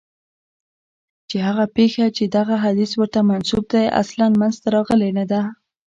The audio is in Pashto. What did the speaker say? چي هغه پېښه چي دغه حدیث ورته منسوب دی اصلاً منځته راغلې نه ده.